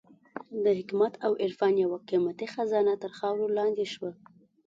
د حکمت او عرفان یوه قېمتي خزانه تر خاورو لاندې شوه.